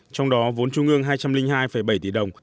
trong đó vốn trung ương hai trăm linh hai bảy tỷ đồng